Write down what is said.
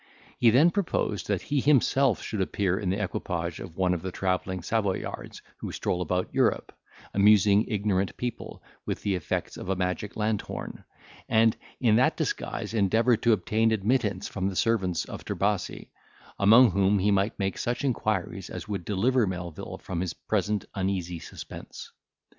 He then proposed that he himself should appear in the equipage of one of the travelling Savoyards who stroll about Europe, amusing ignorant people with the effects of a magic lanthorn, and in that disguise endeavour to obtain admittance from the servants of Trebasi, among whom he might make such inquiries as would deliver Melvil from his present uneasy suspense.